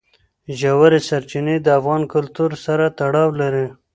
ژورې سرچینې د افغان کلتور سره تړاو لري.